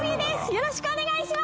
よろしくお願いします。